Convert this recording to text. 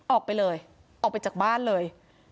ออกไปเลยออกไปจากบ้านเลย